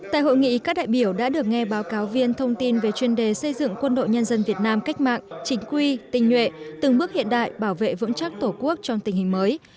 tại hội nghị các đại biểu đã được nghe báo cáo viên thông tin về chuyên đề xây dựng quân đội nhân dân việt nam cách mạng chính quy tình nhuệ từng bước hiện đại bảo vệ vững chắc tổ quốc trong tình hình mới